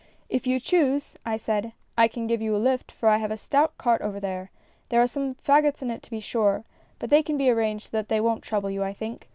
"' If you choose,' I said, ' I can give you a lift, for I have a stout cart over there. There are some fagots in it to be sure, but they can be arranged so that they won't trouble you, I think.